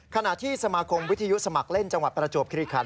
ขณะที่สมาคมวิทยุสมัครเล่นจังหวัดประจวบคิริคัน